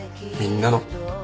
みんなの。